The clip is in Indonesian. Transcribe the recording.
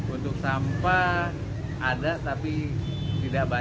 untuk sampah ada tapi tidak banyak